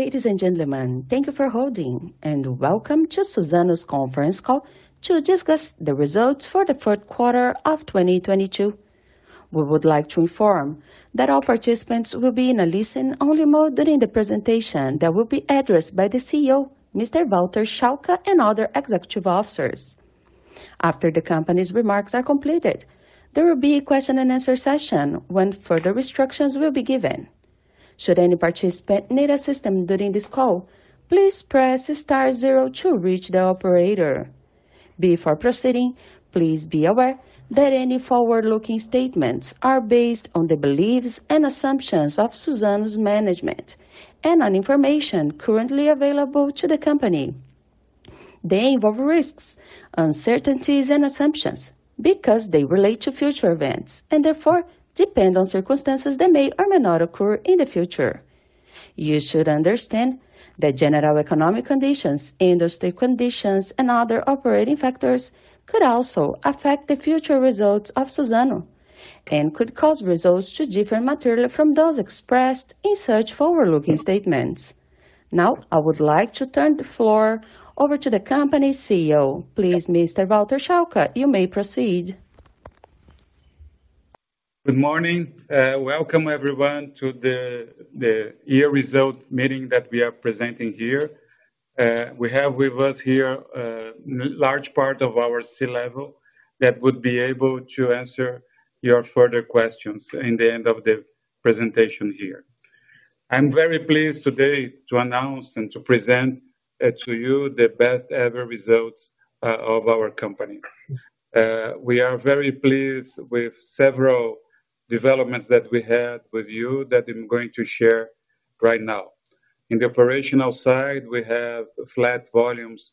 Ladies and gentlemen, thank you for holding. Welcome to Suzano's conference call to discuss the results for the third quarter of 2022. We would like to inform that all participants will be in a listen-only mode during the presentation that will be addressed by the CEO, Mr. Walter Schalka, and other executive officers. After the company's remarks are completed, there will be a question and answer session when further restrictions will be given. Should any participant need assistance during this call, please press star zero to reach the operator. Before proceeding, please be aware that any forward-looking statements are based on the beliefs and assumptions of Suzano's management and on information currently available to the company. They involve risks, uncertainties, and assumptions because they relate to future events, and therefore depend on circumstances that may or may not occur in the future. You should understand the general economic conditions, industry conditions, and other operating factors could also affect the future results of Suzano and could cause results to differ materially from those expressed in such forward-looking statements. I would like to turn the floor over to the company's CEO. Please, Mr. Walter Schalka, you may proceed. Good morning. Welcome everyone to the year result meeting that we are presenting here. We have with us here large part of our C-level that would be able to answer your further questions in the end of the presentation here. I'm very pleased today to announce and to present to you the best-ever results of our company. We are very pleased with several developments that we had with you that I'm going to share right now. In the operational side, we have flat volumes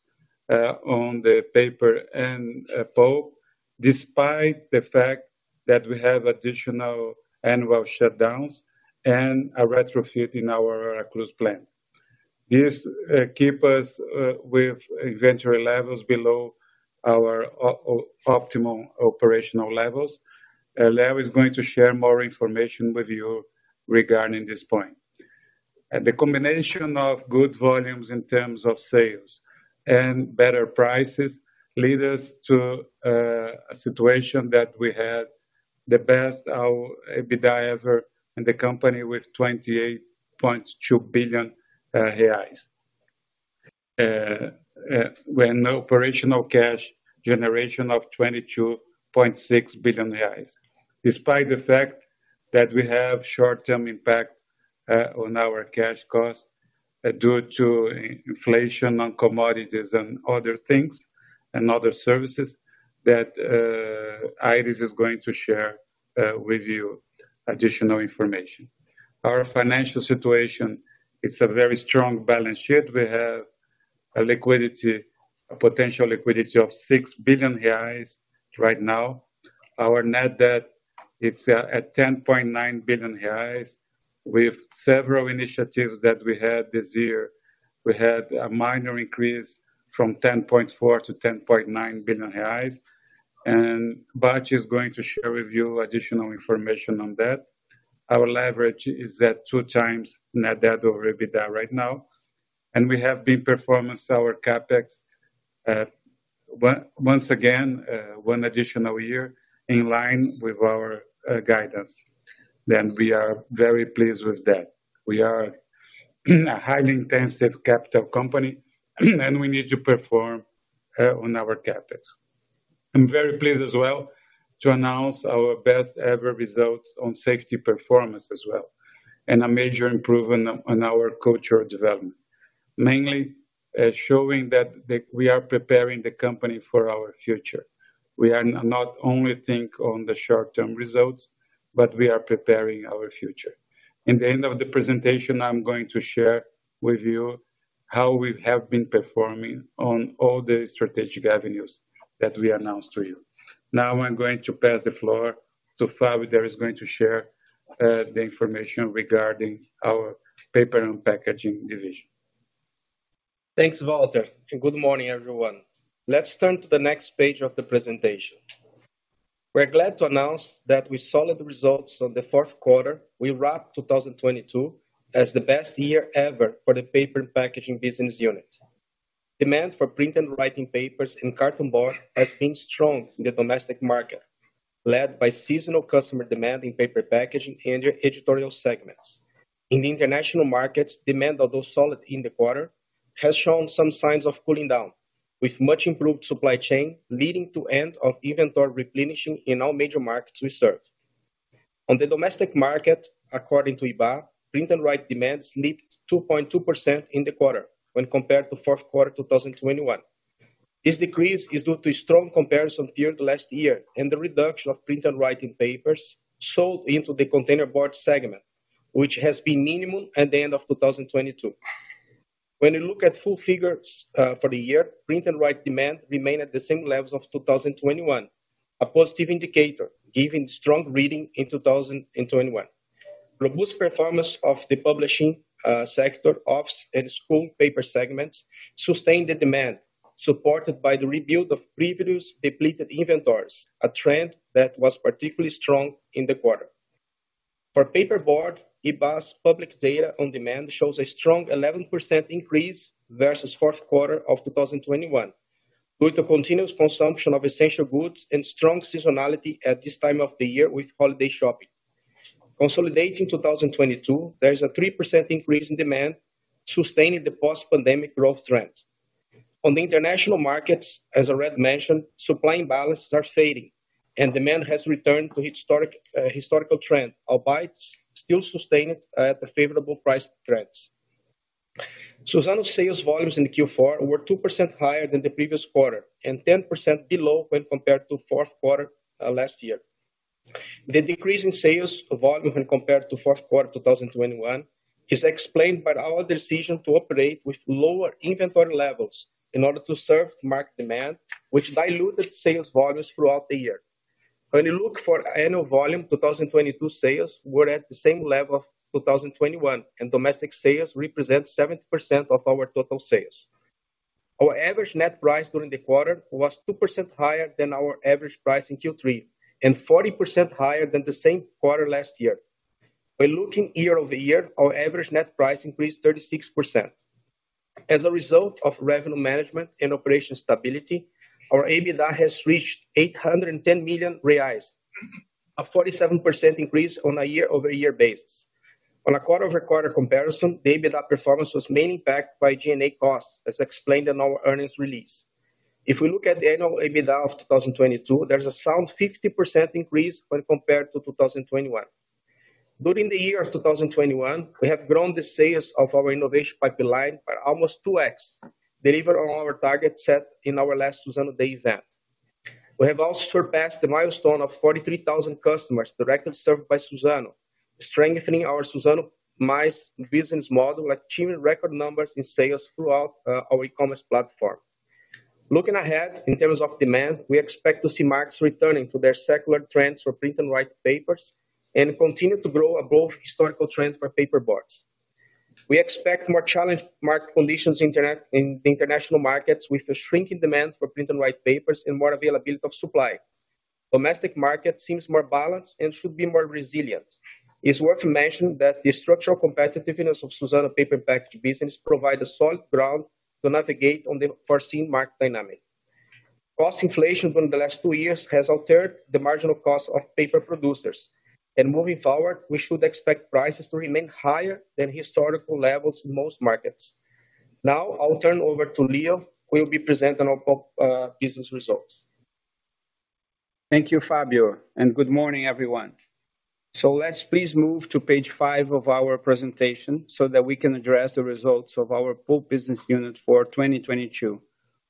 on the paper and pulp, despite the fact that we have additional annual shutdowns and a retrofit in our Aracruz plant. This keep us with inventory levels below our optimal operational levels. Leo is going to share more information with you regarding this point. The combination of good volumes in terms of sales and better prices lead us to a situation that we had the best our EBITDA ever in the company with 28.2 billion BRL. With an operational cash generation of 22.6 billion reais. Despite the fact that we have short-term impact on our cash costs due to inflation on commodities and other things and other services that Aires is going to share with you additional information. Our financial situation, it's a very strong balance sheet. We have a potential liquidity of 6 billion reais right now. Our net debt is at 10.9 billion reais. With several initiatives that we had this year, we had a minor increase from 10.4 billion BRL-10.9 billion BRL. Bacci is going to share with you additional information on that. Our leverage is at 2x net debt over EBITDA right now. we have been performance our CapEx once again, one additional year in line with our guidance. We are very pleased with that. We are a highly intensive capital company, and we need to perform on our CapEx. I'm very pleased as well to announce our best-ever results on safety performance as well, and a major improvement on our cultural development. Mainly, showing that we are preparing the company for our future. We are not only think on the short-term results, but we are preparing our future. In the end of the presentation, I'm going to share with you how we have been performing on all the strategic avenues that we announced to you. Now I'm going to pass the floor to Fabio, that is going to share the information regarding our paper and packaging division. Thanks, Walter. Good morning, everyone. Let's turn to the next page of the presentation. We're glad to announce that with solid results on the fourth quarter, we wrapped 2022 as the best year ever for the paper and packaging business unit. Demand for print and writing papers and carton board has been strong in the domestic market, led by seasonal customer demand in paper packaging and editorial segments. In the international markets, demand, although solid in the quarter, has shown some signs of cooling down, with much improved supply chain leading to end of inventory replenishing in all major markets we serve. On the domestic market, according to Ibá, print and write demand slipped 2.2% in the quarter when compared to fourth quarter 2021. This decrease is due to strong comparison period last year and the reduction of print and writing papers sold into the container board segment, which has been minimum at the end of 2022. When you look at full figures for the year, print and write demand remain at the same levels of 2021. A positive indicator, giving strong reading in 2021. Robust performance of the publishing sector office and school paper segments sustained the demand. Supported by the rebuild of previous depleted inventories, a trend that was particularly strong in the quarter. For paperboard, Ibá public data on demand shows a strong 11% increase versus fourth quarter of 2021, with a continuous consumption of essential goods and strong seasonality at this time of the year with holiday shopping. Consolidating 2022, there's a 3% increase in demand, sustaining the post-pandemic growth trend. On the international markets, as already mentioned, supply imbalances are fading, demand has returned to historical trend, albeit still sustained at the favorable price trends. Suzano's sales volumes in Q4 were 2% higher than the previous quarter, 10% below when compared to fourth quarter last year. The decrease in sales volume when compared to fourth quarter 2021 is explained by our decision to operate with lower inventory levels in order to serve market demand, which diluted sales volumes throughout the year. When you look for annual volume, 2022 sales were at the same level of 2021, domestic sales represent 70% of our total sales. Our average net price during the quarter was 2% higher than our average price in Q3 and 40% higher than the same quarter last year. By looking year-over-year, our average net price increased 36%. As a result of revenue management and operation stability, our EBITDA has reached 810 million reais, a 47% increase on a year-over-year basis. On a quarter-over-quarter comparison, the EBITDA performance was mainly backed by G&A costs, as explained in our earnings release. If we look at the annual EBITDA of 2022, there's a sound 50% increase when compared to 2021. During the year of 2021, we have grown the sales of our innovation pipeline by almost 2x, delivered on our target set in our last Suzano Day event. We have also surpassed the milestone of 43,000 customers directly served by Suzano, strengthening our Suzano Mais business model, achieving record numbers in sales throughout our e-commerce platform. Looking ahead, in terms of demand, we expect to see markets returning to their secular trends for print and write papers and continue to grow above historical trends for paperboards. We expect more challenged market conditions in international markets, with a shrinking demand for print and write papers and more availability of supply. Domestic market seems more balanced and should be more resilient. It's worth mentioning that the structural competitiveness of Suzano Paper Package business provide a solid ground to navigate on the foreseen market dynamic. Cost inflation over the last two years has altered the marginal cost of paper producers. Moving forward, we should expect prices to remain higher than historical levels in most markets. Now I'll turn over to Leo, who will be presenting our pulp business results. Thank you, Fabio. Good morning, everyone. Let's please move to page five of our presentation so that we can address the results of our pulp business unit for 2022,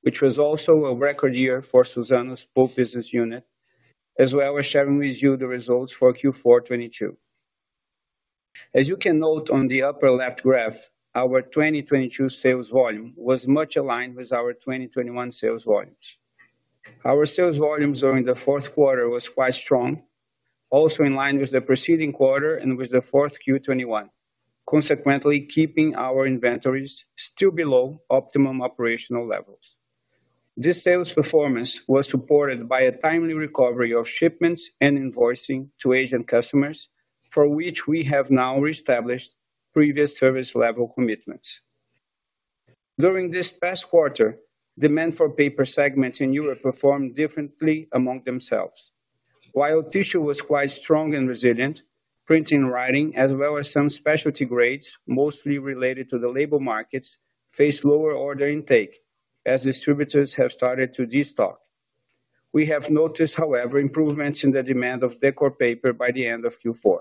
which was also a record year for Suzano's pulp business unit, as well as sharing with you the results for Q4 2022. As you can note on the upper left graph, our 2022 sales volume was much aligned with our 2021 sales volumes. Our sales volumes during the fourth quarter was quite strong, also in line with the preceding quarter and with the fourth Q 2021, consequently keeping our inventories still below optimum operational levels. This sales performance was supported by a timely recovery of shipments and invoicing to Asian customers, for which we have now reestablished previous service level commitments. During this past quarter, demand for paper segments in Europe performed differently among themselves. While tissue was quite strong and resilient, print and writing, as well as some specialty grades, mostly related to the labor markets, faced lower order intake as distributors have started to destock. We have noticed, however, improvements in the demand of decor paper by the end of Q4.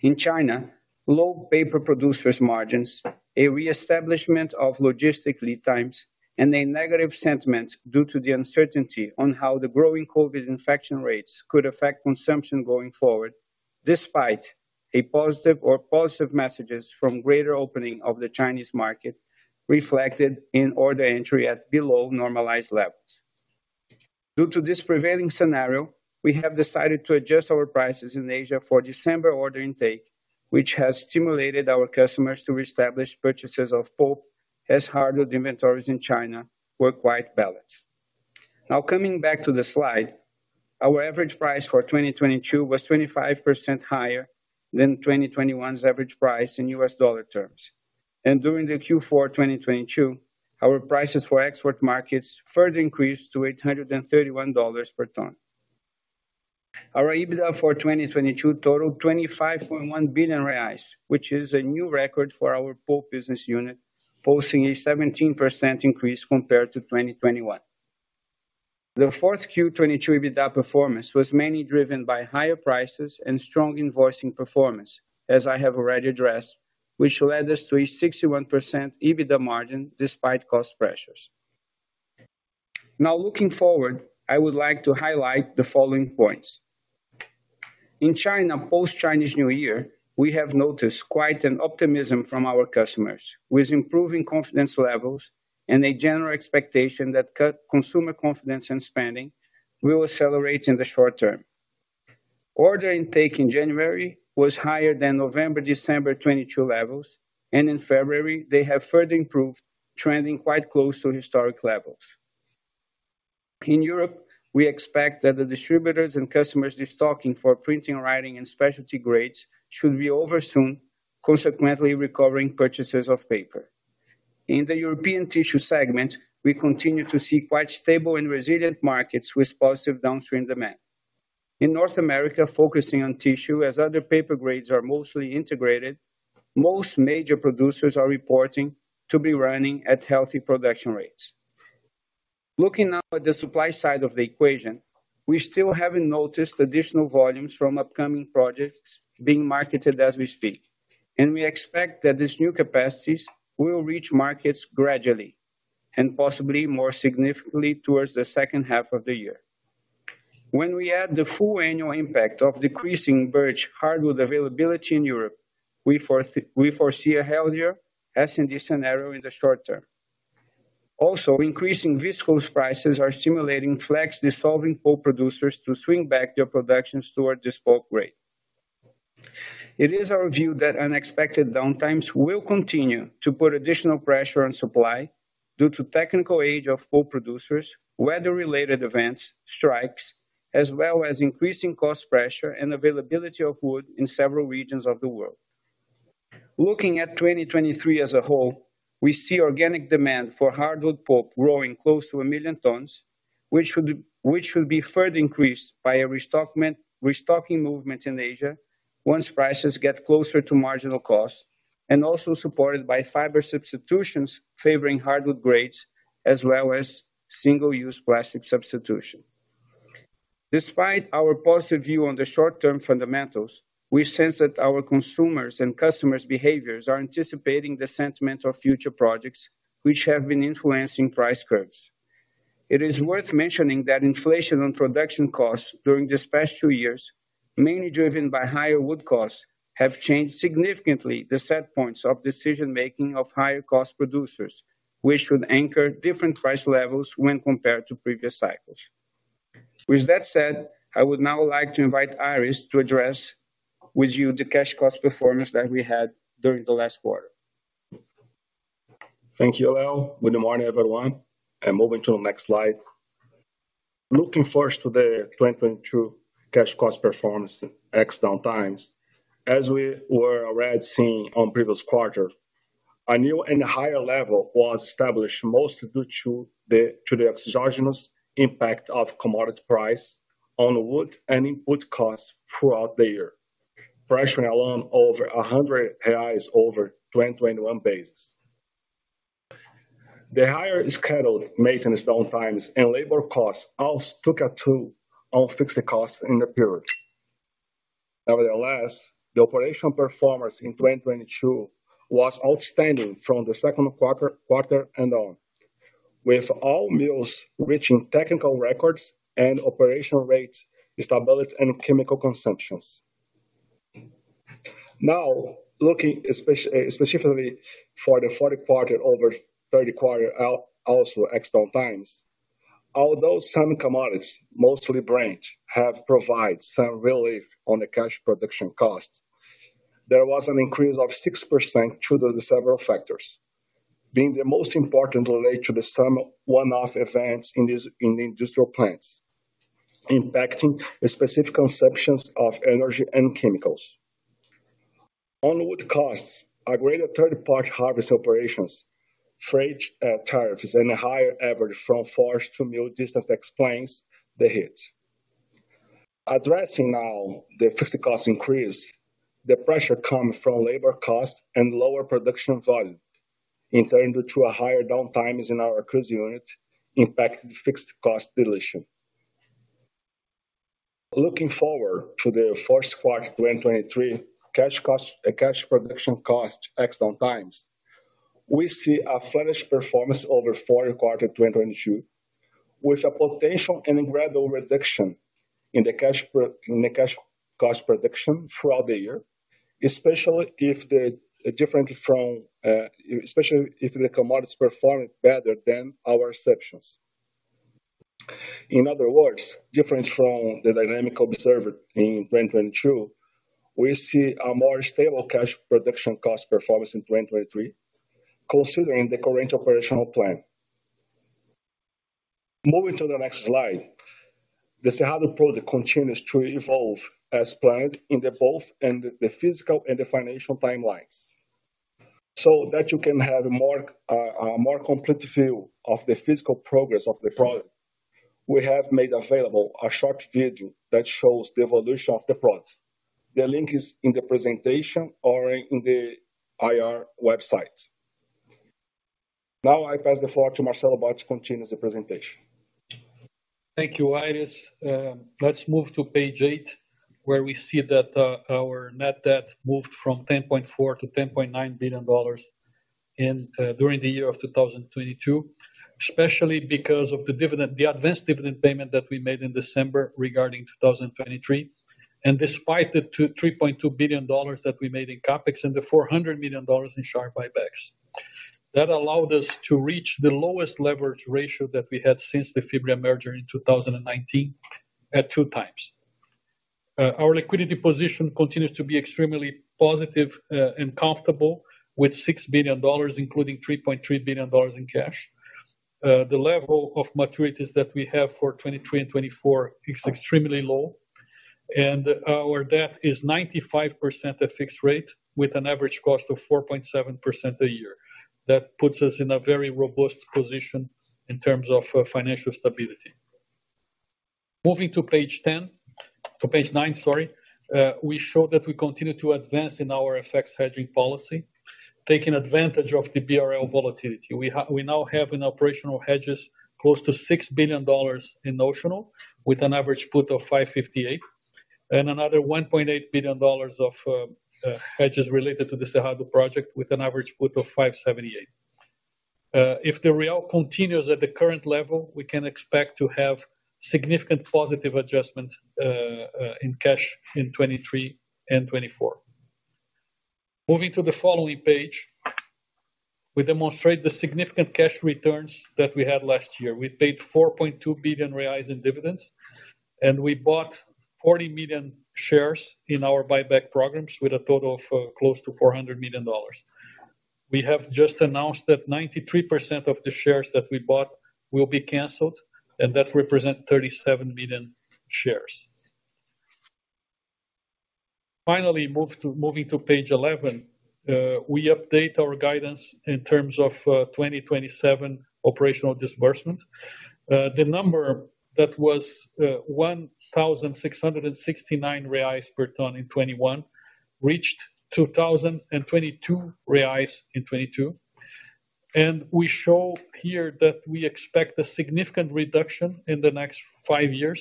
In China, low paper producers' margins, a reestablishment of logistic lead times, and a negative sentiment due to the uncertainty on how the growing COVID infection rates could affect consumption going forward, despite a positive or positive messages from greater opening of the Chinese market reflected in order entry at below normalized levels. Due to this prevailing scenario, we have decided to adjust our prices in Asia for December order intake, which has stimulated our customers to reestablish purchases of pulp as hardwood inventories in China were quite balanced. Now coming back to the slide, our average price for 2022 was 25% higher than 2021's average price in USD terms. During the Q4 2022, our prices for export markets further increased to $831 per ton. Our EBITDA for 2022 totaled 25.1 billion reais, which is a new record for our pulp business unit, posting a 17% increase compared to 2021. The fourth Q 2022 EBITDA performance was mainly driven by higher prices and strong invoicing performance, as I have already addressed, which led us to a 61% EBITDA margin despite cost pressures. Now looking forward, I would like to highlight the following points. In China, post-Chinese New Year, we have noticed quite an optimism from our customers, with improving confidence levels and a general expectation that consumer confidence and spending will accelerate in the short term. Order intake in January was higher than November, December 22 levels, and in February they have further improved, trending quite close to historic levels. In Europe, we expect that the distributors and customers destocking for printing, writing and specialty grades should be over soon, consequently recovering purchases of paper. In the European tissue segment, we continue to see quite stable and resilient markets with positive downstream demand. In North America, focusing on tissue as other paper grades are mostly integrated, most major producers are reporting to be running at healthy production rates. Looking now at the supply side of the equation, we still haven't noticed additional volumes from upcoming projects being marketed as we speak. We expect that these new capacities will reach markets gradually and possibly more significantly towards the second half of the year. When we add the full annual impact of decreasing birch hardwood availability in Europe, we foresee a healthier S&D scenario in the short term. Increasing viscose prices are stimulating flax dissolving pulp producers to swing back their productions towards this pulp grade. It is our view that unexpected downtimes will continue to put additional pressure on supply due to technical age of pulp producers, weather-related events, strikes, as well as increasing cost pressure and availability of wood in several regions of the world. Looking at 2023 as a whole, we see organic demand for hardwood pulp growing close to 1 million tons, which would be further increased by a restocking movement in Asia once prices get closer to marginal costs. Also supported by fiber substitutions favoring hardwood grades as well as single-use plastic substitution. Despite our positive view on the short-term fundamentals, we sense that our consumers and customers' behaviors are anticipating the sentiment of future projects which have been influencing price curves. It is worth mentioning that inflation on production costs during these past two years, mainly driven by higher wood costs, have changed significantly the set points of decision-making of higher cost producers, which should anchor different price levels when compared to previous cycles. With that said, I would now like to invite Aires to address with you the cash cost performance that we had during the last quarter. Thank you, Leo. Good morning, everyone, moving to the next slide. Looking first to the 2022 cash cost performance ex downtimes. As we were already seeing on previous quarter, a new and higher level was established, mostly due to the exogenous impact of commodity price on wood and input costs throughout the year. Pressure alone over 100 reais over 2021 basis. The higher scheduled maintenance downtimes and labor costs also took a toll on fixed costs in the period. Nevertheless, the operational performance in 2022 was outstanding from the second quarter and on, with all mills reaching technical records and operational rates, stability, and chemical consumptions. Now, looking specifically for the fourth quarter over third quarter also ex downtimes. Some commodities, mostly Brent, have provided some relief on the cash production costs, there was an increase of 6% due to the several factors. Being the most important relate to the some one-off events in these, in the industrial plants, impacting the specific conceptions of energy and chemicals. On wood costs, a greater third-party harvest operations, freight, tariffs and a higher average from forest to mill distance explains the hit. Addressing now the fixed cost increase, the pressure coming from labor costs and lower production volume entered through a higher downtimes in our Aracruz unit impacted fixed cost dilution. Looking forward to the Q4 2023 cash production cost ex downtimes, we see a furnished performance over Q4 2022, with a potential and gradual reduction in the cash cost production throughout the year, especially if the commodities perform better than our expectations. In other words, different from the dynamic observed in 2022, we see a more stable cash production cost performance in 2023, considering the current operational plan. Moving to the next slide. The Cerrado project continues to evolve as planned in both the physical and the financial timelines. That you can have a more complete view of the physical progress of the project, we have made available a short video that shows the evolution of the project. The link is in the presentation or in the IR website. Now I pass the floor to Marcelo Bacci to continue the presentation. Thank you, Aires. Let's move to page eight, where we see that our net debt moved from $10.4 billion-$10.9 billion during the year of 2022, especially because of the dividend, the advanced dividend payment that we made in December regarding 2023. Despite the $3.2 billion that we made in CapEx and the $400 million in share buybacks. That allowed us to reach the lowest leverage ratio that we had since the Fibria merger in 2019 at 2x. Our liquidity position continues to be extremely positive and comfortable with $6 billion, including $3.3 billion in cash. The level of maturities that we have for 2023 and 2024 is extremely low, and our debt is 95% at fixed rate with an average cost of 4.7% a year. That puts us in a very robust position in terms of financial stability. Moving to page nine, sorry. We show that we continue to advance in our FX hedging policy, taking advantage of the BRL volatility. We now have in operational hedges close to $6 billion in notional, with an average put of $558, and another $1.8 billion of hedges related to the Cerrado project with an average put of $578. If the real continues at the current level, we can expect to have significant positive adjustment in cash in 2023 and 2024. Moving to the following page, we demonstrate the significant cash returns that we had last year. We paid 4.2 billion reais in dividends. We bought 40 million shares in our buyback programs with a total of close to $400 million. We have just announced that 93% of the shares that we bought will be canceled. That represents 37 million shares. Finally, moving to page 11, we update our guidance in terms of 2027 operational disbursement. The number that was 1,669 reais per ton in 2021 reached 2,022 reais in 2022. We show here that we expect a significant reduction in the next five years,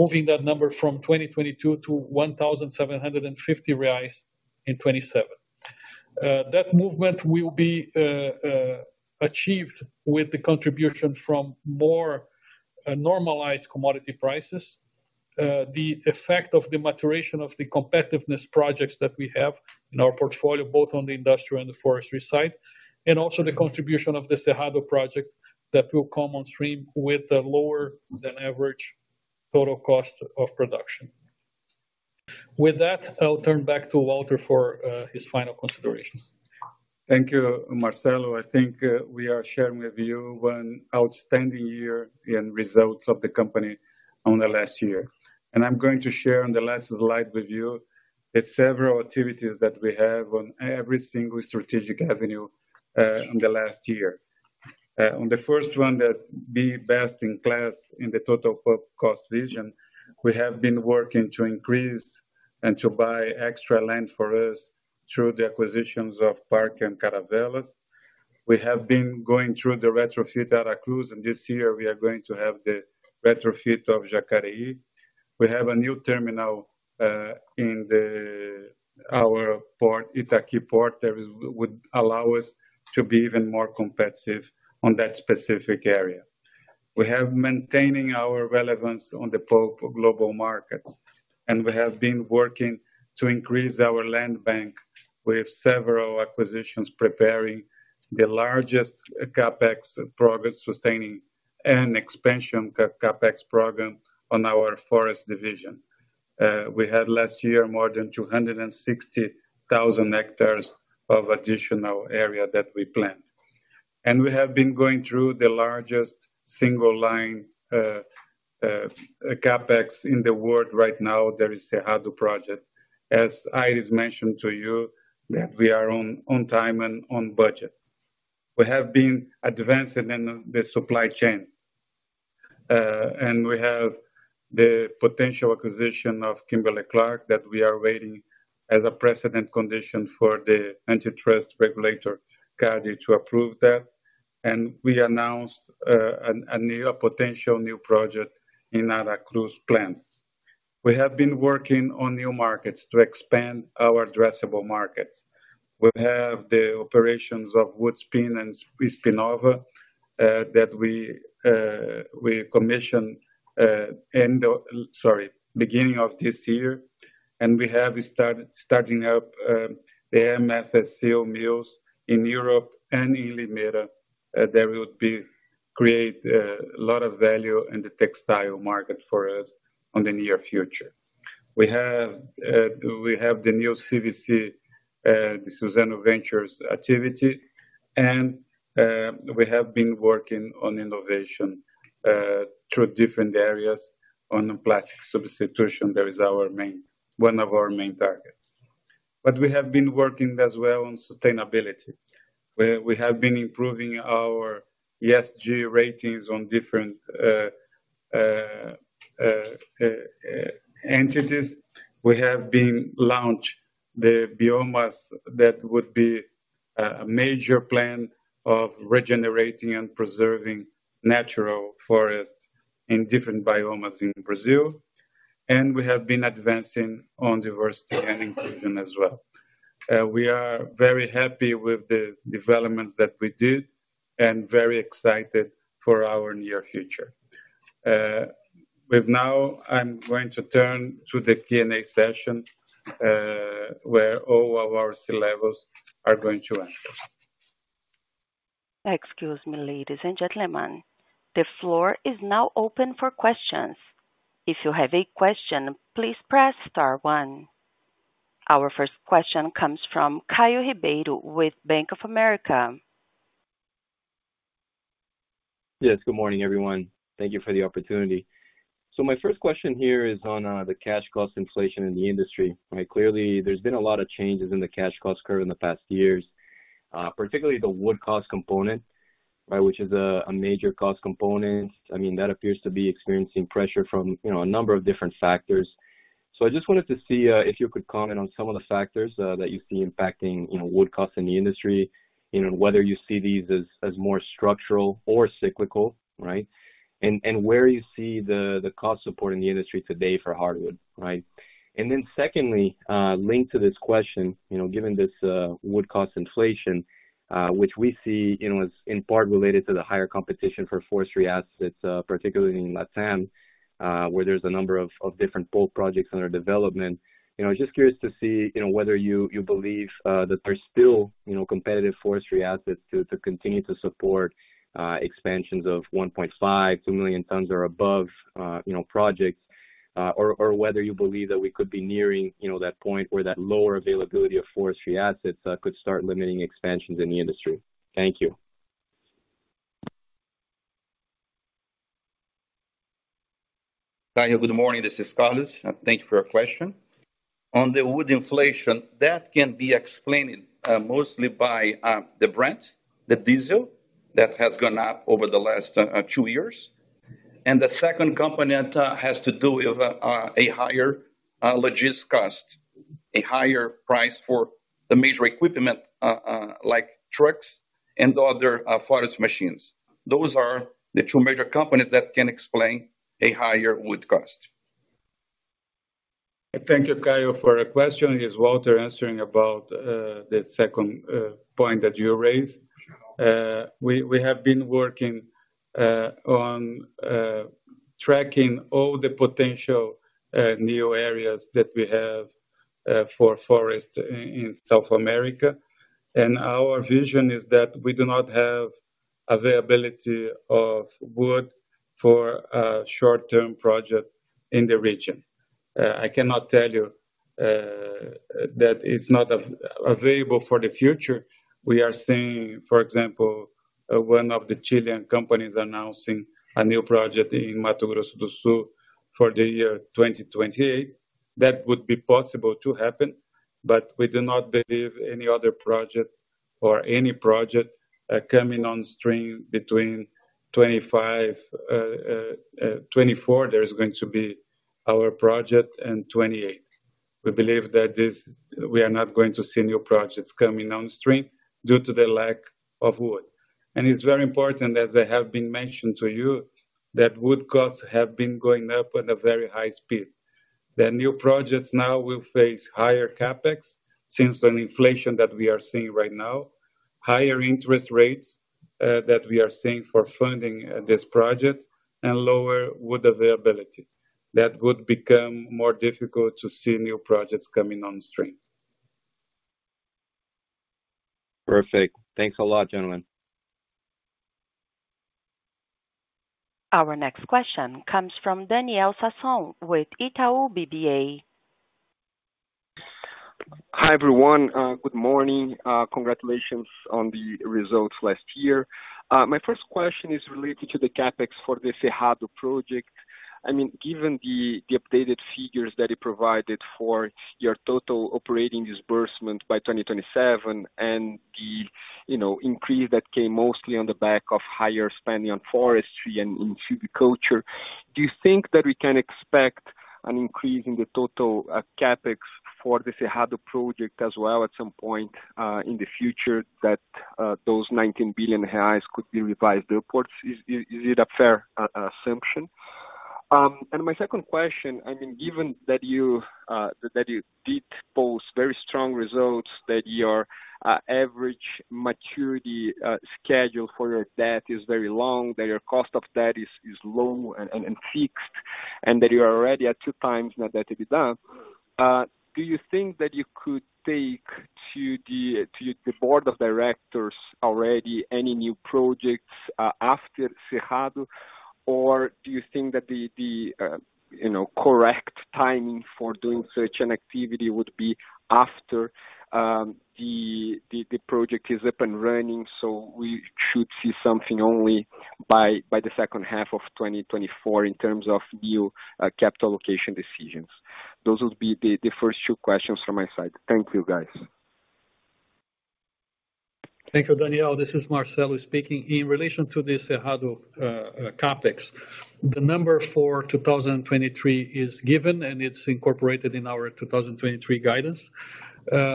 moving that number from 2022 to 1,750 reais in 2027. That movement will be achieved with the contribution from more normalized commodity prices. The effect of the maturation of the competitiveness projects that we have in our portfolio, both on the industrial and the forestry side, and also the contribution of the Cerrado project that will come on stream with a lower than average total cost of production. With that, I'll turn back to Walter for his final considerations. Thank you, Marcelo. I think we are sharing with you one outstanding year in results of the company on the last year. I'm going to share on the last slide with you the several activities that we have on every single strategic avenue on the last year. On the first one, the be best in class in the total pulp cost vision, we have been working to increase and to buy extra land for us through the acquisitions of Parque and Caravelas. We have been going through the retrofit Aracruz, and this year we are going to have the retrofit of Jacareí. We have a new terminal in the, our port, Itaqui port, would allow us to be even more competitive on that specific area. We have maintaining our relevance on the pulp global markets. We have been working to increase our land bank with several acquisitions, preparing the largest CapEx progress sustaining and expansion CapEx program on our forest division. We had last year more than 260,000 hectares of additional area that we plant. We have been going through the largest single line CapEx in the world right now. That is Cerrado project. As Aires mentioned to you, we are on time and on budget. We have been advancing in the supply chain. We have the potential acquisition of Kimberly-Clark that we are waiting as a precedent condition for the antitrust regulator, CADE, to approve that. We announced a new potential new project in Aracruz plant. We have been working on new markets to expand our addressable markets. e commissioned, uh, end of... Sorry, beginning of this year. And we have started starting up, uh, MFC mills in Europe and in Limeira. Uh, that would be create, uh, a lot of value in the textile market for us on the near future. We have, uh, we have the new CVC, uh, the Suzano Ventures activity, and, uh, we have been working on innovation, uh, through different areas. On the plastic substitution, that is our main-- one of our main targets. But we have been working as well on sustainability, where we have been improving our ESG ratings on different, uh, entities. We have been launch the Biomas that would be a major plan of regenerating and preserving natural forest in different biomes in Brazil We have been advancing on diversity and inclusion as well. We are very happy with the developments that we did and very excited for our near future. I'm going to turn to the Q&A session, where all of our C-levels are going to answer. Excuse me, ladies and gentlemen, the floor is now open for questions. If you have a question, please press star one. Our first question comes from Caio Ribeiro with Bank of America. Yes, good morning, everyone. Thank you for the opportunity. My first question here is on the cash cost inflation in the industry. Right. Clearly, there's been a lot of changes in the cash cost curve in the past years, particularly the wood cost component, right, which is a major cost component. I mean, that appears to be experiencing pressure from, you know, a number of different factors. I just wanted to see if you could comment on some of the factors that you see impacting, you know, wood costs in the industry. You know, whether you see these as more structural or cyclical, right? Where you see the cost support in the industry today for hardwood, right? Secondly, linked to this question, you know, given this wood cost inflation, which we see, you know, as in part related to the higher competition for forestry assets, particularly in LatAm, where there's a number of different pulp projects under development. You know, just curious to see, you know, whether you believe that there's still, you know, competitive forestry assets to continue to support expansions of 1.5-2 million tons or above, you know, projects? Or whether you believe that we could be nearing, you know, that point where that lower availability of forestry assets could start limiting expansions in the industry? Thank you. Caio, good morning. This is Carlos. Thank you for your question. On the wood inflation, that can be explained mostly by the Brent, the diesel that has gone up over the last two years. The second component has to do with a higher logistics cost. A higher price for the major equipment, like trucks and other forest machines. Those are the two major components that can explain a higher wood cost. Thank you, Caio, for your question. It's Walter answering about the second point that you raised. We have been working on tracking all the potential new areas that we have for forest in South America. Our vision is that we do not have availability of wood for a short-term project in the region. I cannot tell you that it's not available for the future. We are seeing, for example, one of the Chilean companies announcing a new project in Mato Grosso do Sul for the year 2028. That would be possible to happen, we do not believe any other project or any project coming on stream between 25, 24, there is going to be our project, and 28. We believe that we are not going to see new projects coming on stream due to the lack of wood. It's very important, as I have been mentioning to you, that wood costs have been going up at a very high speed. The new projects now will face higher CapEx since the inflation that we are seeing right now, higher interest rates, that we are seeing for funding, this project, and lower wood availability. That would become more difficult to see new projects coming on stream. Perfect. Thanks a lot, gentlemen. Our next question comes from Daniel Sasson with Itaú BBA. Hi, everyone. Good morning. Congratulations on the results last year. My first question is related to the CapEx for the Cerrado project. I mean, given the updated figures that you provided for your total operating disbursement by 2027 and the, you know, increase that came mostly on the back of higher spending on forestry and in silviculture. Do you think that we can expect an increase in the total CapEx for the Cerrado project as well at some point in the future that those 19 billion reais could be revised upwards? Is it a fair assumption? My second question, I mean, given that you that you did post very strong results, that your average maturity schedule for your debt is very long, that your cost of debt is low and fixed, and that you are already at two times net debt-to-EBITDA. Do you think that you could take to the board of directors already any new projects after Cerrado? Or do you think that the, you know, correct timing for doing such an activity would be after the project is up and running? We should see something only by the second half of 2024 in terms of new capital allocation decisions. Those would be the first two questions from my side. Thank you, guys. Thank you, Daniel. This is Marcelo speaking. In relation to the Cerrado CapEx, the number for 2023 is given, and it's incorporated in our 2023 guidance.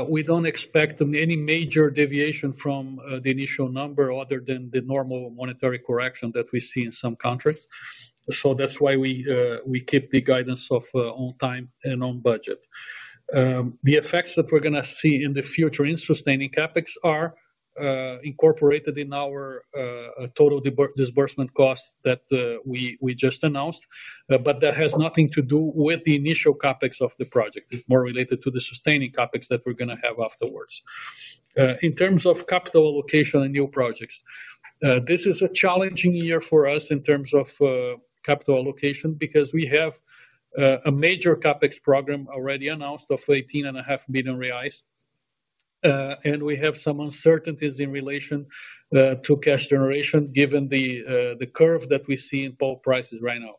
We don't expect any major deviation from the initial number other than the normal monetary correction that we see in some countries. That's why we keep the guidance of on time and on budget. The effects that we're gonna see in the future in sustaining CapEx are incorporated in our total disbursement costs that we just announced. That has nothing to do with the initial CapEx of the project. It's more related to the sustaining CapEx that we're gonna have afterwards. In terms of capital allocation and new projects, this is a challenging year for us in terms of capital allocation because we have a major CapEx program already announced of 18.5 million reais. We have some uncertainties in relation to cash generation given the curve that we see in pulp prices right now.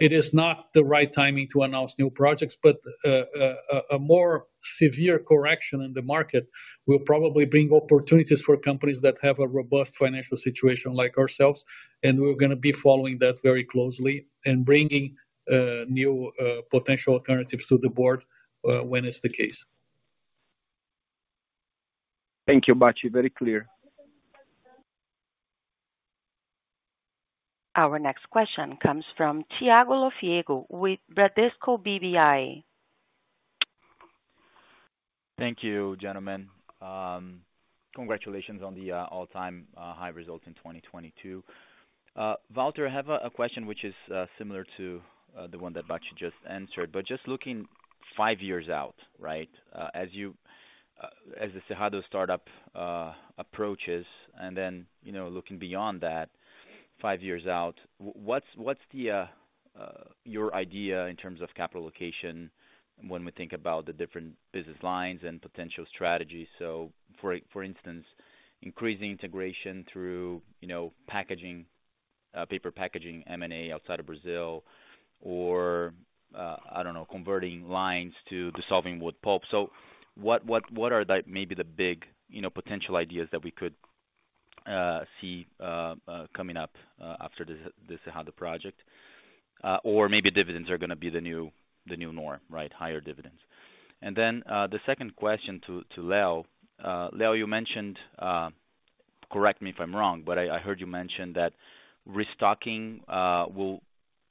It is not the right timing to announce new projects, but a more severe correction in the market will probably bring opportunities for companies that have a robust financial situation like ourselves, and we're gonna be following that very closely and bringing new potential alternatives to the board when it's the case. Thank you, Bacci. Very clear. Our next question comes from Thiago Lofiego with Bradesco BBI. Thank you, gentlemen. Congratulations on the all-time high results in 2022. Walter, I have a question which is similar to the one that Bacci just answered. Just looking five years out, right, as the Cerrado startup approaches and then, you know, looking beyond that five years out, what's your idea in terms of capital allocation when we think about the different business lines and potential strategies? For instance, increasing integration through, you know, packaging, paper packaging, M&A outside of Brazil or, I don't know, converting lines to dissolving wood pulp. What are the maybe the big, you know, potential ideas that we could see coming up after the Cerrado project? Or maybe dividends are gonna be the new norm, right, higher dividends. The second question to Leo. Leo, you mentioned, correct me if I'm wrong, but I heard you mention that restocking will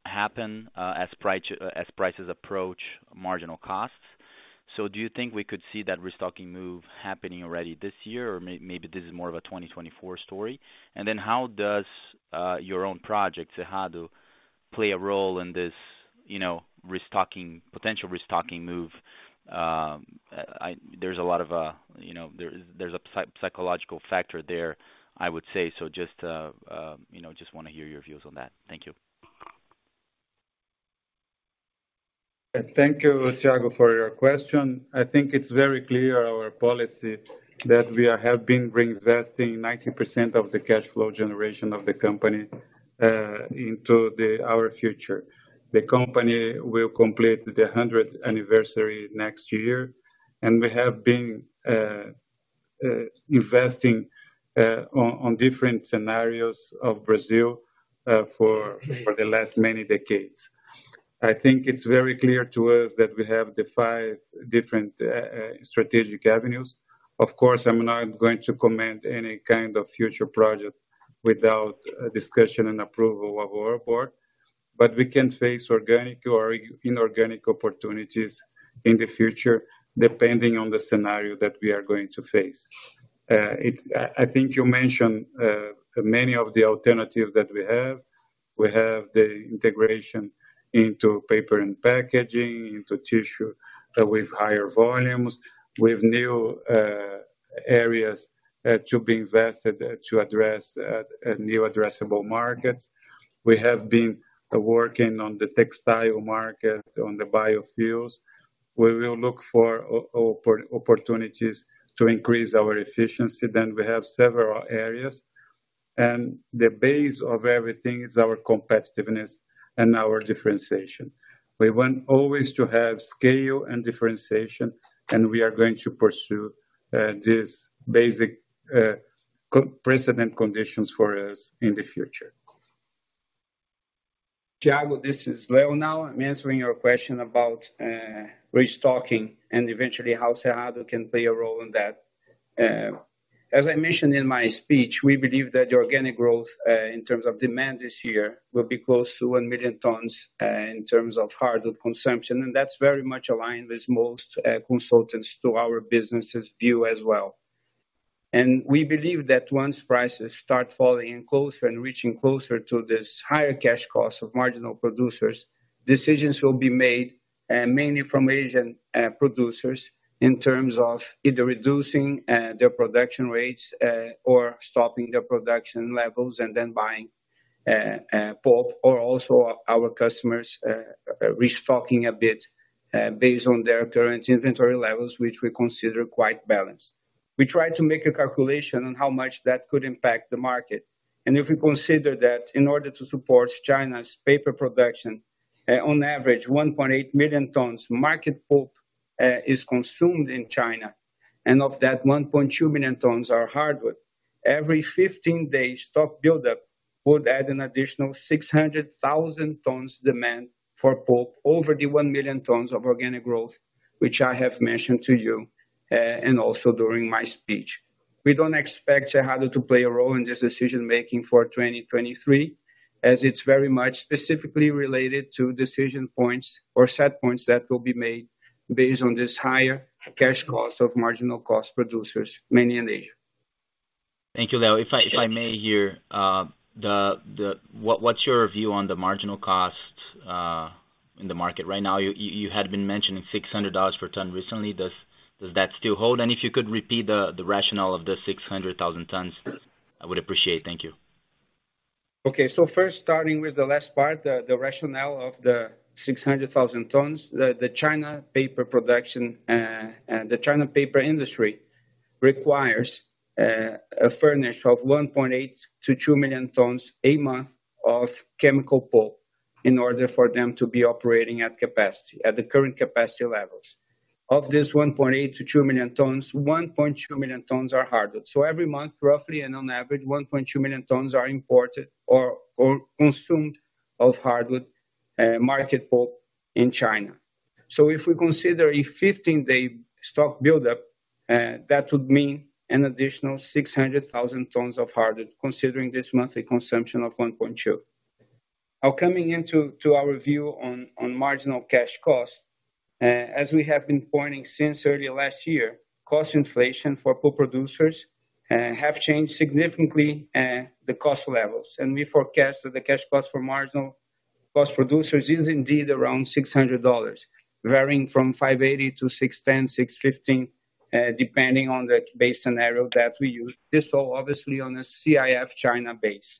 happen as prices approach marginal costs. Do you think we could see that restocking move happening already this year, or maybe this is more of a 2024 story? How does your own project, Cerrado, play a role in this, you know, restocking, potential restocking move? There's a lot of, you know, there's a psychological factor there, I would say. Just, you know, just wanna hear your views on that. Thank you. Thank you, Thiago, for your question. I think it's very clear our policy that we are helping reinvesting 90% of the cash flow generation of the company into our future. The company will complete the 100 anniversary next year. We have been investing on different scenarios of Brazil for the last many decades. I think it's very clear to us that we have the five different strategic avenues. Of course, I'm not going to comment any kind of future project without a discussion and approval of our board. We can face organic or inorganic opportunities in the future, depending on the scenario that we are going to face. I think you mentioned many of the alternatives that we have. We have the integration into paper and packaging, into tissue with higher volumes, with new areas to be invested to address new addressable markets. We have been working on the textile market, on the biofuels. We will look for opportunities to increase our efficiency. We have several areas, and the base of everything is our competitiveness and our differentiation. We want always to have scale and differentiation, and we are going to pursue this basic precedent conditions for us in the future. Thiago, this is Leo now. I'm answering your question about restocking and eventually how Cerrado can play a role in that. As I mentioned in my speech, we believe that the organic growth in terms of demand this year will be close to 1 million tons in terms of hardwood consumption, and that's very much aligned with most consultants to our business' view as well. We believe that once prices start falling closer and reaching closer to this higher cash cost of marginal producers, decisions will be made mainly from Asian producers in terms of either reducing their production rates or stopping their production levels and then buying pulp or also our customers restocking a bit based on their current inventory levels, which we consider quite balanced. We try to make a calculation on how much that could impact the market. If we consider that in order to support China's paper production, on average 1.8 million tons market pulp is consumed in China, and of that 1.2 million tons are hardwood. Every 15 days, stock buildup would add an additional 600,000 tons demand for pulp over the 1 million tons of organic growth, which I have mentioned to you and also during my speech. We don't expect Cerrado to play a role in this decision-making for 2023, as it's very much specifically related to decision points or set points that will be made based on this higher cash cost of marginal cost producers, mainly in Asia. Thank you, Leo. If I, if I may here, what's your view on the marginal cost in the market right now? You had been mentioning $600 per ton recently. Does that still hold? If you could repeat the rationale of the 600,000 tons, I would appreciate. Thank you. Okay. First, starting with the last part, the rationale of the 600,000 tons. The China paper industry requires a furnish of 1.8 million-2 million tons a month of chemical pulp in order for them to be operating at capacity, at the current capacity levels. Of this 1.8 million-2 million tons, 1.2 million tons are hardwood. Every month, roughly and on average, 1.2 million tons are imported or consumed of hardwood market pulp in China. If we consider a 15-day stock buildup, that would mean an additional 600,000 tons of hardwood, considering this monthly consumption of 1.2 million. Now, coming into our view on marginal cash cost, as we have been pointing since early last year, cost inflation for pulp producers have changed significantly the cost levels. We forecast that the cash cost for marginal cost producers is indeed around $600, varying from $580-$610, $615, depending on the base scenario that we use. This all obviously on a CIF China base.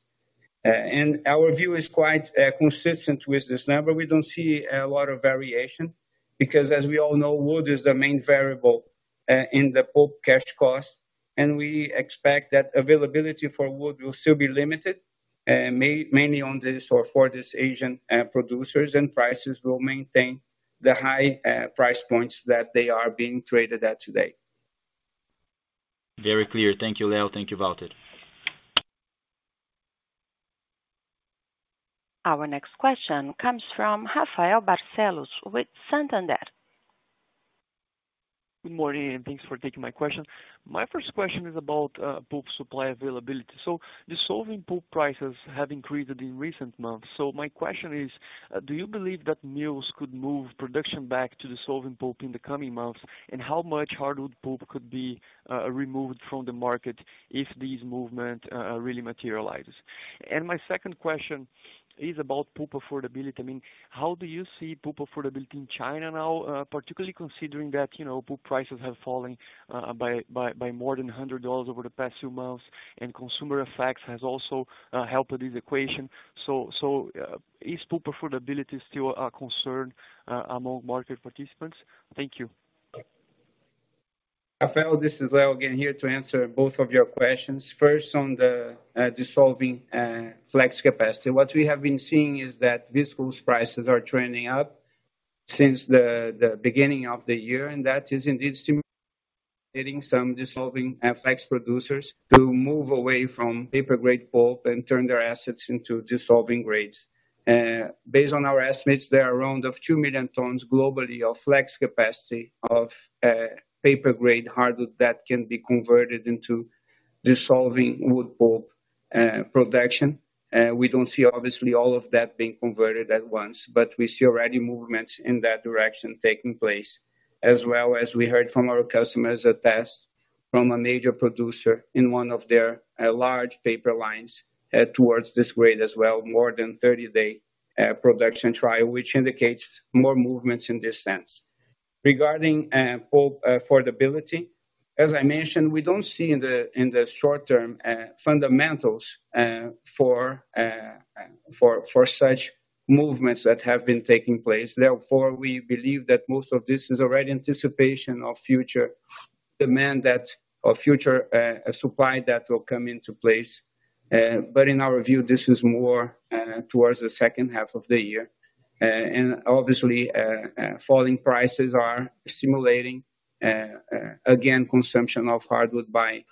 Our view is quite consistent with this number. We don't see a lot of variation because as we all know, wood is the main variable in the pulp cash cost, and we expect that availability for wood will still be limited mainly on this or for this Asian producers, and prices will maintain the high price points that they are being traded at today. Very clear. Thank you, Leo. Thank you, Walter. Our next question comes from Rafael Barcellos with Santander. Good morning, thanks for taking my question. My first question is about pulp supply availability. Dissolving pulp prices have increased in recent months. My question is, do you believe that mills could move production back to dissolving pulp in the coming months? How much hardwood pulp could be removed from the market if this movement really materializes? My second question is about pulp affordability. I mean, how do you see pulp affordability in China now, particularly considering that, you know, pulp prices have fallen by more than $100 over the past few months, and consumer effects has also helped this equation. Is pulp affordability still a concern among market participants? Thank you. Rafael, this is Leo again here to answer both of your questions. First, on the dissolving flex capacity. What we have been seeing is that viscous prices are trending up since the beginning of the year. That is indeed stimulating some dissolving flex producers to move away from paper-grade pulp and turn their assets into dissolving grades. Based on our estimates, there are around of 2 million tons globally of flex capacity of paper-grade hardwood that can be converted into dissolving wood pulp production. We don't see obviously all of that being converted at once, but we see already movements in that direction taking place as well as we heard from our customers a test from a major producer in one of their large paper lines towards this grade as well, more than 30-day production trial, which indicates more movements in this sense. Regarding pulp affordability, as I mentioned, we don't see in the short term fundamentals for such movements that have been taking place. Therefore, we believe that most of this is already anticipation of future demand of future supply that will come into place. In our view, this is more towards the second half of the year. Obviously, falling prices are simulating again consumption of hardwood by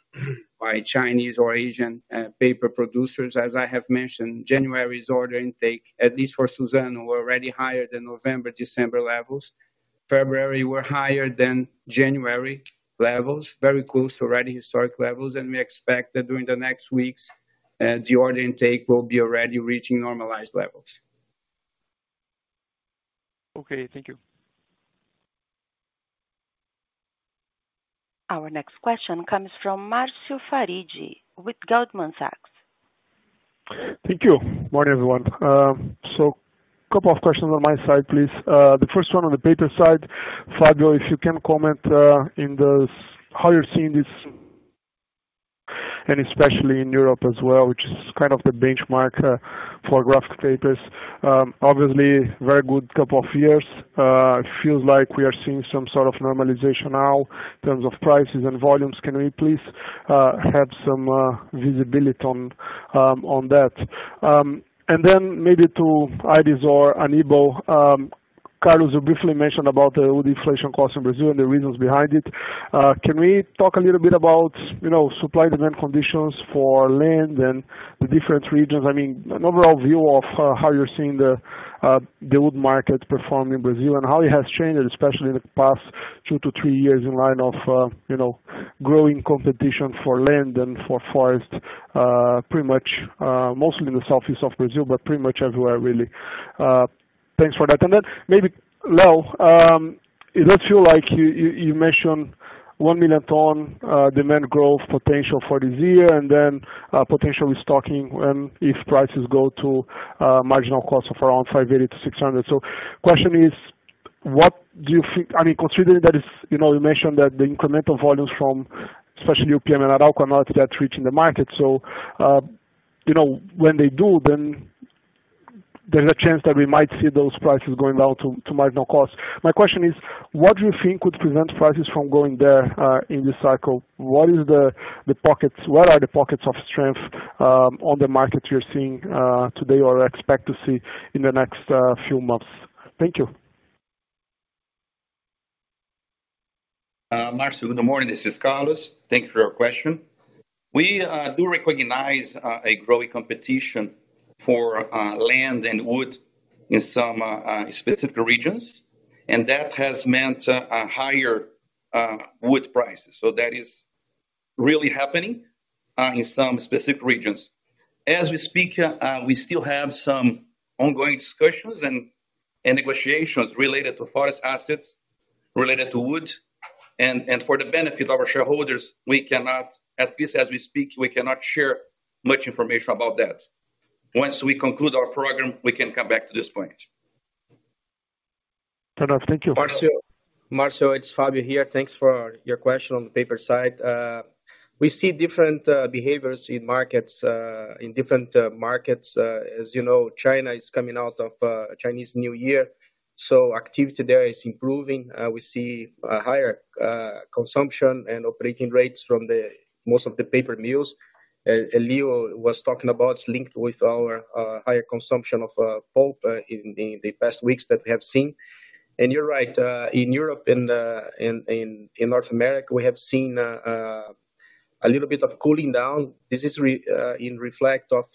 Chinese or Asian paper producers. As I have mentioned, January's order intake, at least for Suzano, were already higher than November, December levels. February were higher than January levels, very close to already historic levels, and we expect that during the next weeks, the order intake will be already reaching normalized levels. Okay. Thank you. Our next question comes from Marcio Farid with Goldman Sachs. Thank you. Morning, everyone. Couple of questions on my side, please. The first one on the paper side. Fabio, if you can comment, how you're seeing this, and especially in Europe as well, which is kind of the benchmark for graphic papers. Obviously, very good couple of years. It feels like we are seeing some sort of normalization now in terms of prices and volumes. Can we please have some visibility on that? Then maybe to Aires or Anibal. Carlos, you briefly mentioned about the wood inflation cost in Brazil and the reasons behind it. Can we talk a little bit about, you know, supply-demand conditions for land and the different regions? I mean, an overall view of how you're seeing the wood market perform in Brazil and how it has changed, especially in the past two to three years in line of, you know, growing competition for land and for forest, pretty much, mostly in the southeast of Brazil, but pretty much everywhere really. Thanks for that. Maybe Leo, it looks you like you mentioned 1 million ton demand growth potential for this year and then potential restocking if prices go to marginal cost of around $580-$600. Question is, considering that it's, you know, you mentioned that the incremental volumes from especially UPM and Arauco are not that reaching the market. You know, when they do, then there's a chance that we might see those prices going down to marginal costs. My question is: What do you think would prevent prices from going there in this cycle? What are the pockets of strength on the market you're seeing today or expect to see in the next few months? Thank you. Marcio, good morning, this is Carlos. Thank you for your question. We do recognize a growing competition for land and wood in some specific regions, and that has meant higher wood prices. That is really happening in some specific regions. As we speak, we still have some ongoing discussions and negotiations related to forest assets, related to wood. For the benefit of our shareholders, we cannot, at least as we speak, we cannot share much information about that. Once we conclude our program, we can come back to this point. Carlos, thank you. Marcio, it's Fabio here. Thanks for your question on the paper side. We see different behaviors in markets, in different markets. As you know, China is coming out of Chinese New Year, so activity there is improving. We see a higher consumption and operating rates from the most of the paper mills. Leo was talking about linked with our higher consumption of pulp in the past weeks that we have seen. You're right, in Europe and in North America, we have seen a little bit of cooling down. This is in reflect of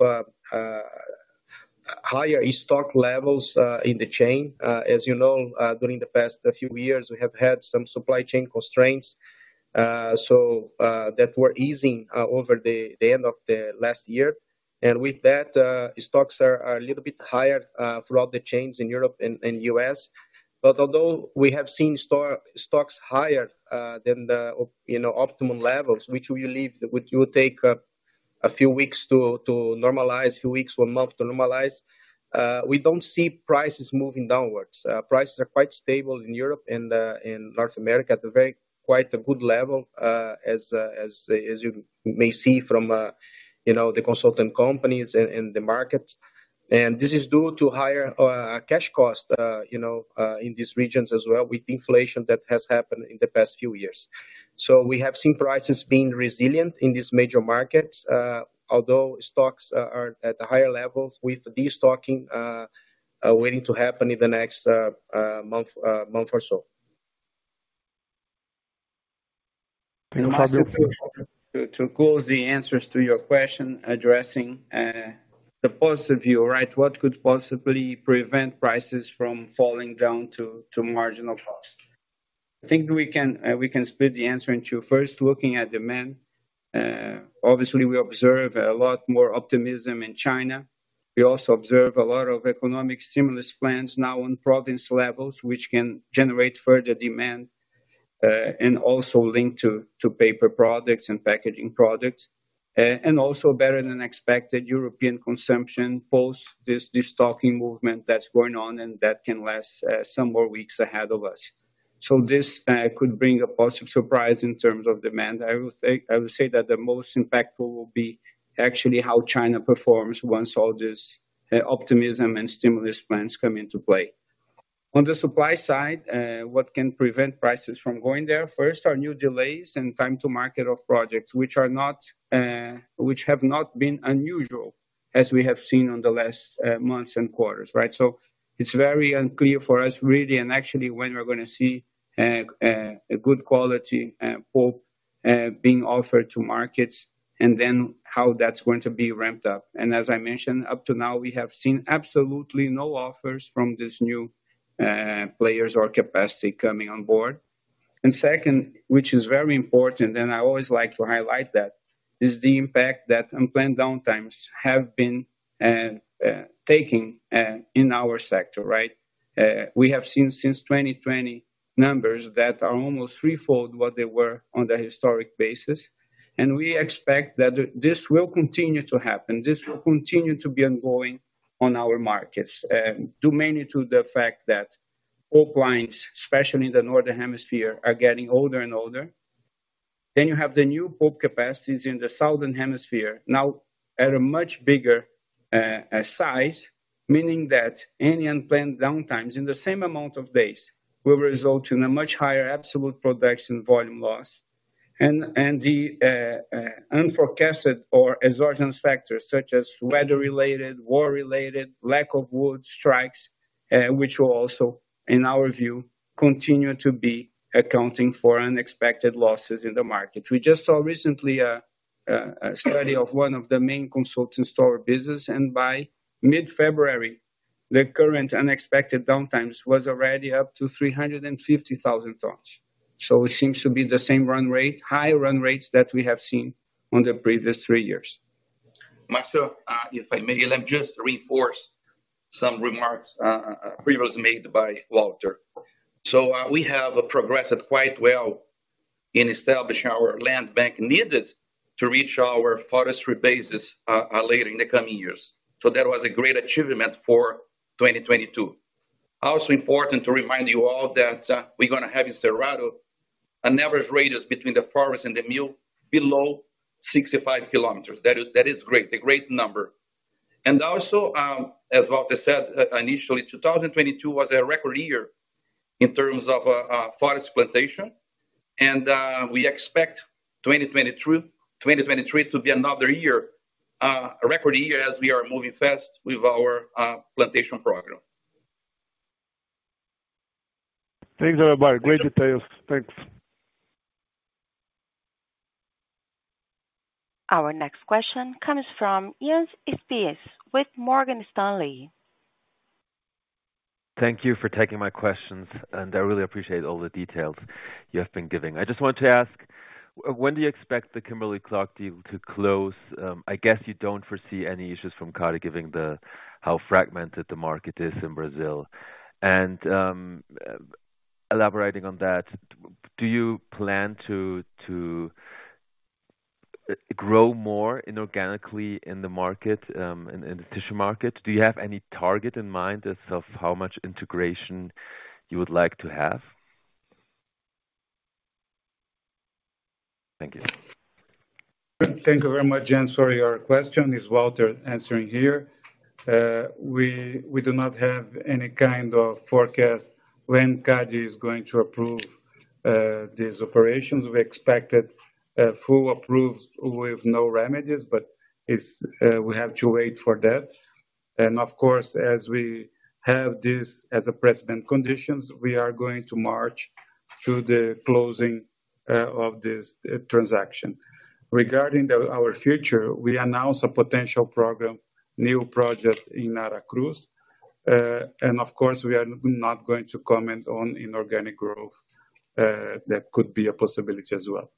higher stock levels in the chain. As you know, during the past few years, we have had some supply chain constraints that we're easing over the end of the last year. With that, stocks are a little bit higher throughout the chains in Europe and U.S. Although we have seen stocks higher than the you know, optimum levels, which will take a few weeks to normalize, few weeks or month to normalize, we don't see prices moving downwards. Prices are quite stable in Europe and in North America at a very quite a good level, as you may see from you know, the consultant companies in the market. This is due to higher cash costs, you know, in these regions as well with inflation that has happened in the past few years. We have seen prices being resilient in these major markets, although stocks are at higher levels with destocking waiting to happen in the next month or so. Fabio To close the answers to your question addressing the positive view, right? What could possibly prevent prices from falling down to marginal cost? I think we can split the answer into first looking at demand. Obviously, we observe a lot more optimism in China. We also observe a lot of economic stimulus plans now on province levels, which can generate further demand, and also linked to paper products and packaging products. Better than expected European consumption post this destocking movement that's going on, and that can last some more weeks ahead of us. This could bring a positive surprise in terms of demand. I would say that the most impactful will be actually how China performs once all this optimism and stimulus plans come into play. On the supply side, what can prevent prices from going there? First are new delays and time to market of projects which are not, which have not been unusual as we have seen on the last months and quarters, right? It's very unclear for us really, and actually when we're gonna see a good quality pulp being offered to markets, and then how that's going to be ramped up. As I mentioned, up to now, we have seen absolutely no offers from these new players or capacity coming on board. Second, which is very important, and I always like to highlight that, is the impact that unplanned downtimes have been taking in our sector, right? We have seen since 2020 numbers that are almost threefold what they were on the historic basis. We expect that this will continue to happen. This will continue to be ongoing on our markets, due mainly to the fact that pulp lines, especially in the northern hemisphere, are getting older and older. You have the new pulp capacities in the southern hemisphere now at a much bigger size, meaning that any unplanned downtimes in the same amount of days will result in a much higher absolute production volume loss. The unforecasted or exogenous factors such as weather-related, war-related, lack of wood strikes, which will also, in our view, continue to be accounting for unexpected losses in the market. We just saw recently a study of one of the main consultants to our business, and by mid-February. The current unexpected downtimes was already up to 350,000 tons. It seems to be the same run rate, high run rates that we have seen on the previous three years. Marcio, if I may, let me just reinforce some remarks previous made by Walter. We have progressed quite well in establishing our land bank needed to reach our forestry basis later in the coming years. That was a great achievement for 2022. Also important to remind you all that we're gonna have in Cerrado an average radius between the forest and the mill below 65 kilometers. That is great. A great number. As Walter said initially, 2022 was a record year in terms of forest plantation. We expect 2022, 2023 to be another year, a record year as we are moving fast with our plantation program. Thanks everybody. Great details. Thanks. Our next question comes from Jens Spiess with Morgan Stanley. Thank you for taking my questions, and I really appreciate all the details you have been giving. I just wanted to ask, when do you expect the Kimberly-Clark deal to close? I guess you don't foresee any issues from CADE giving how fragmented the market is in Brazil. Elaborating on that, do you plan to grow more inorganically in the market, in the tissue market? Do you have any target in mind as of how much integration you would like to have? Thank you. Thank you very much, Jens, for your question. It's Walter answering here. We, we do not have any kind of forecast when CADE is going to approve these operations. We expected full approval with no remedies, but it's we have to wait for that. Of course, as we have this as a precedent conditions, we are going to march through the closing of this transaction. Regarding our future, we announced a potential program, new project in Aracruz. Of course, we are not going to comment on inorganic growth. That could be a possibility as well.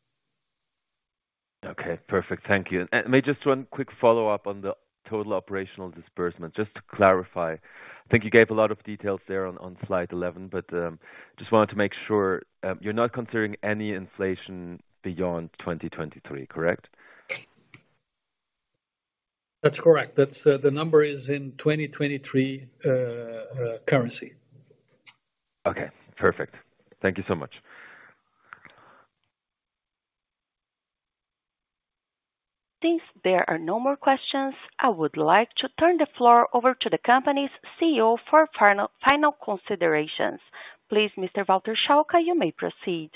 Okay. Perfect. Thank you. May just one quick follow-up on the total operational disbursement. Just to clarify, I think you gave a lot of details there on slide 11. Just wanted to make sure, you're not considering any inflation beyond 2023, correct? That's correct. That's the number is in 2023 currency. Okay. Perfect. Thank you so much. Since there are no more questions, I would like to turn the floor over to the company's CEO for final considerations. Please, Mr. Walter Schalka, you may proceed.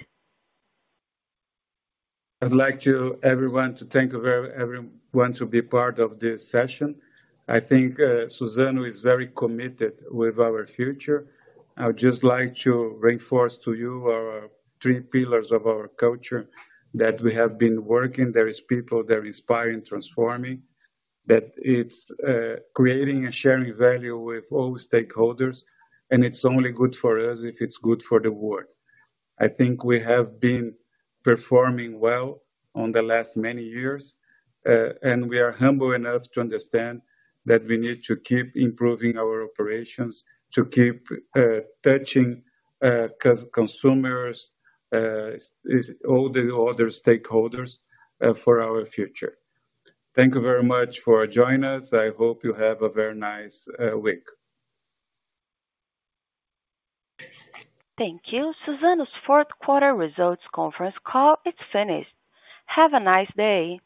I'd like to everyone to thank everyone to be part of this session. I think, Suzano is very committed with our future. I would just like to reinforce to you our three pillars of our culture that we have been working. There is people, they're inspiring, transforming. That it's, creating and sharing value with all stakeholders. It's only good for us if it's good for the world. I think we have been performing well on the last many years. We are humble enough to understand that we need to keep improving our operations to keep, touching, consumers, all the other stakeholders, for our future. Thank you very much for joining us. I hope you have a very nice week. Thank you. Suzano's fourth quarter results conference call is finished. Have a nice day.